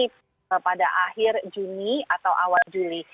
pada akhir juni atau awal juli